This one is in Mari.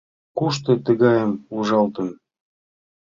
Кушто тыгайым ужалтын?